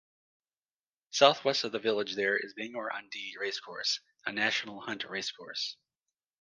South-west of the village there is Bangor-on-Dee racecourse, a National Hunt racecourse.